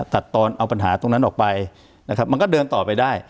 ตัดตอนเอาปัญหาตรงนั้นออกไปนะครับมันก็เดินต่อไปได้